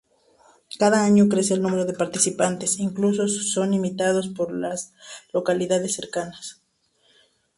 Cada año crece el número de participantes, incluso son imitados por las localidades cercanas.